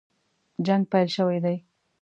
جنګ پیل شوی دی.